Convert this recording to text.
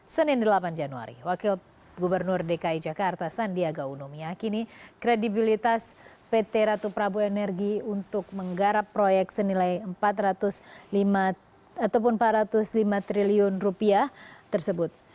senin delapan januari wakil gubernur dki jakarta sandiaga uno meyakini kredibilitas pt ratu prabu energi untuk menggarap proyek senilai rp empat ratus lima triliun tersebut